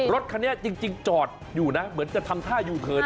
รถคันนี้จริงจอดอยู่นะเหมือนจะทำท่ายูเทิร์น